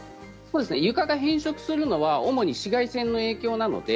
床が変色をするのは主に紫外線の影響です。